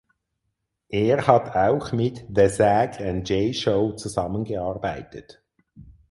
Er hat auch mit The Zac And Jay Show zusammengearbeitet.